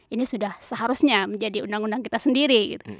ini sudah seharusnya menjadi undang undang kita sendiri